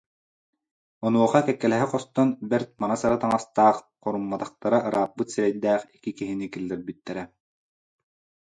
Онуоха кэккэлэһэ хостон бэрт мара-сара таҥастаах, хорумматахтара ырааппыт сирэйдээх икки киһини киллэрбиттэрэ